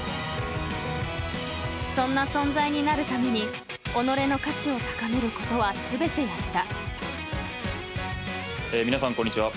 ［そんな存在になるために己の価値を高めることは全てやった］